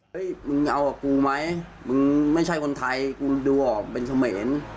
มึงเอากับกูไหมมึงไม่ใช่คนไทยกูดูออกเป็นเสมร